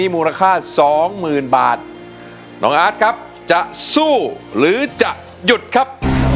มูลค่าสองหมื่นบาทน้องอาร์ตครับจะสู้หรือจะหยุดครับ